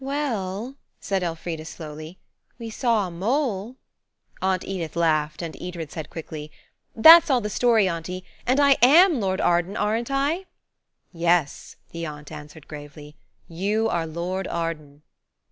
"Well," said Elfrida slowly, "we saw a mole–" Aunt Edith laughed, and Edred said quickly– "That's all the story, auntie. And I am Lord Arden, aren't I?" "Yes," the aunt answered gravely. "You are Lord Arden."